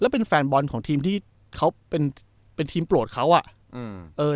เป็นแฟนบอลของทีมที่เขาเป็นเป็นทีมโปรดเขาอ่ะอืมเออ